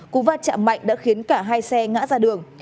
cú va chạm mạnh đã khiến cả hai xe ngã ra đường